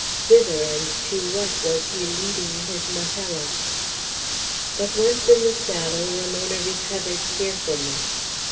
Whither and to what was he leading his Majella? But once in the saddle, Ramona recovered cheerfulness.